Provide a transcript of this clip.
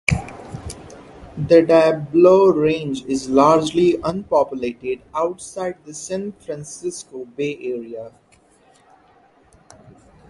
The Diablo Range is largely unpopulated outside of the San Francisco Bay Area.